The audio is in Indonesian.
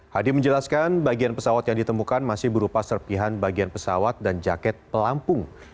hadi menjelaskan bagian pesawat yang ditemukan masih berupa serpihan bagian pesawat dan jaket pelampung